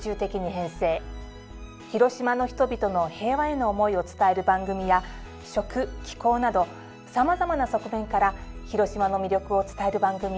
広島の人々の平和への思いを伝える番組や食・紀行などさまざまな側面から広島の魅力を伝える番組を放送しました。